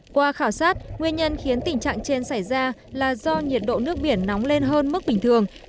qua khảo sát nguyên nhân khiến tình trạng trên xảy ra là do nhiệt độ nước biển nóng lên hơn mức bình thường